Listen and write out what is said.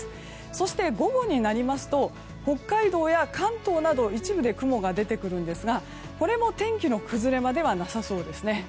そして午後になりますと北海道や関東など一部で雲が出てくるんですがこれも天気の崩れまではなさそうです。